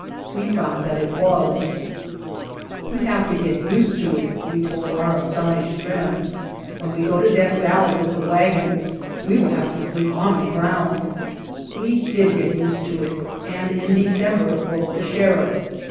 We found that it was. The Outfit "We have to get used to it," we told our aston ished friends. "When we go to Death Valley with the wagon we will have to sleep on the ground." We did get used to it and in December wrote the Sheriff.